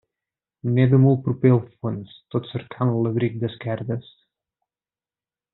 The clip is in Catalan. Neda molt proper al fons tot cercant l'abric d'esquerdes.